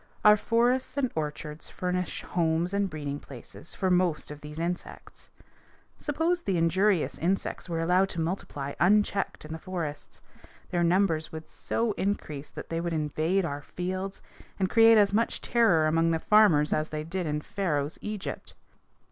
Our forests and orchards furnish homes and breeding places for most of these insects. Suppose the injurious insects were allowed to multiply unchecked in the forests, their numbers would so increase that they would invade our fields and create as much terror among the farmers as they did in Pharaoh's Egypt.